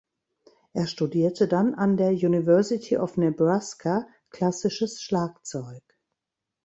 Er studierte dann an der University of Nebraska klassisches Schlagzeug.